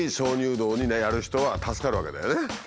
洞やる人は助かるわけだよね。